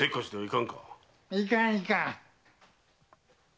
いかんいかん。